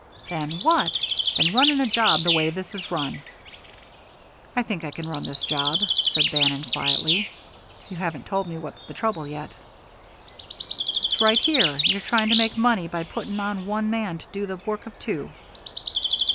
"Than what? than running a job the way this is run." "I think I can run this job," said Bannon, quietly. "You haven't told me what's the trouble yet." "It's right here you're trying to make money by putting on one man to do the work of two."